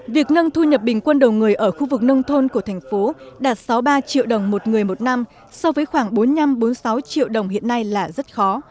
việc nâng thu nhập bình quân đầu người ở khu vực nông thôn của thành phố đạt sáu mươi ba triệu đồng một người một năm so với khoảng bốn mươi năm bốn mươi sáu triệu đồng hiện nay là rất khó